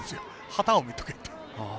旗を見ておけって。